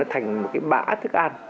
thành một cái bã thức ăn